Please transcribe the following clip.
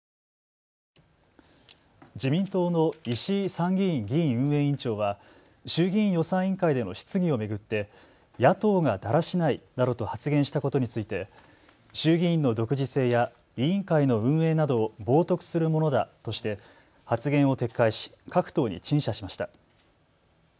自民党の石井参議院議院運営委員長は衆議院予算委員会での質疑を巡って、野党がだらしないなどと発言したことについて衆議院の独自性や委員会の運営などを冒とくするものだとして発言を撤回し各党に陳謝しました。